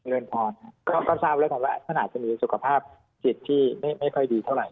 เริ่มพอดีค่ะก็ทราบแล้วความว่าท่านอาจจะมีสุขภาพสิทธิ์ที่ไม่ค่อยดีเท่าไหร่